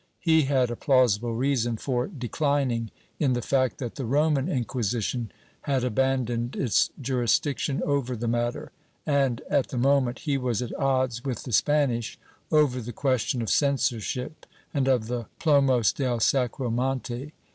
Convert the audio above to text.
He had a plausible reason for declining, in the fact that the Roman Inquisition had abandoned its jurisdiction over the matter and, at the moment, he was at odds with the Spanish over the question of censorship and of the Plomos del Sacromonte.